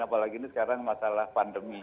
apalagi ini sekarang masalah pandemi